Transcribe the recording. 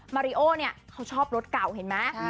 มาริโอเนี่ยเขาชอบรถเก่าเห็นไหม